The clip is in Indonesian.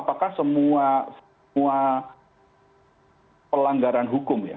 apakah semua pelanggaran hukum ya